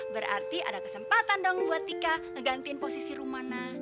berarti ada kesempatan dong buat tika ngegantiin posisi rumana